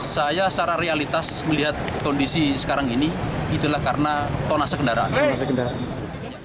saya secara realitas melihat kondisi sekarang ini itulah karena tonase kendaraan